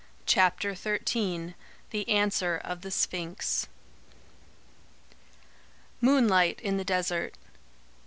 CHAPTER XIII THE ANSWER OF THE SPHINX Moonlight in the desert.